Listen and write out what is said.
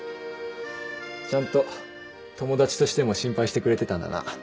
ちゃんと友達としても心配してくれてたんだな。